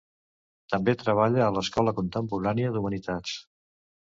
També treballa a l'Escola Contemporània d'Humanitats.